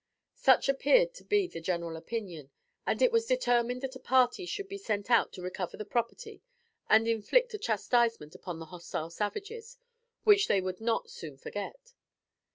Such appeared to be the general opinion, and it was determined that a party should be sent out to recover the property and inflict a chastisement upon the hostile savages which they would not soon forget.